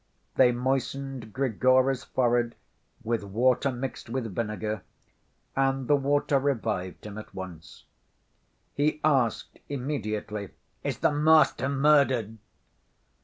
They moistened Grigory's forehead with water mixed with vinegar, and the water revived him at once. He asked immediately: "Is the master murdered?"